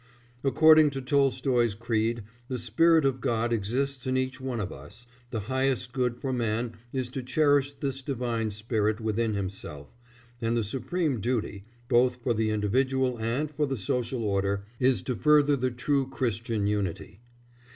According to Tolstoy's creed the Spirit of God exists in each one of us, the highest good for man is to cherish this Divine Spirit within himself, and the supreme duty, both for the individual and for the social order, is to further the true Christian unity.